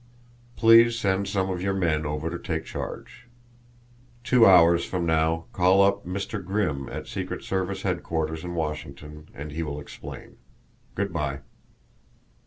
Please send some of your men over to take charge. Two hours from now call up Mr. Grimm at Secret Service headquarters in Washington and he will explain. Good by."